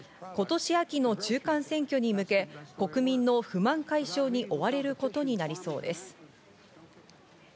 今年秋の中間選挙に向け、国民の不満解消に追われることになりそうです。